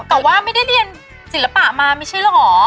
แต่ว่าไม่ได้เรียนศิลปะมามั้ยใช่หรือหรอ